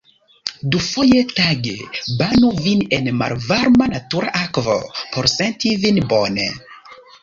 Dufoje tage banu vin en malvarma natura akvo, por senti vin bone.